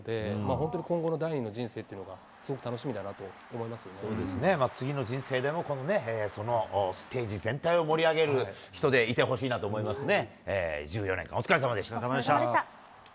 本当に今後の第二の人生っていうのが、すごく楽しみだなと思いま次の人生でもこのね、そのステージ全体を盛り上げる人でいてほしいなと思いますね。